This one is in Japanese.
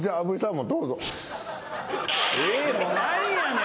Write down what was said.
もう何やねん！